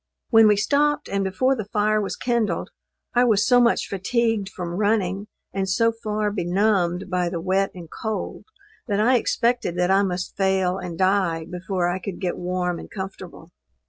When we stopped, and before the fire was kindled, I was so much fatigued from running, and so far benumbed by the wet and cold, that I expected that I must fail and die before I could get warm and comfortable.